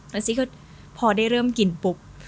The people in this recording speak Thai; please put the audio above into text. แล้วซี่ก็พอได้เริ่มกินปุ๊บ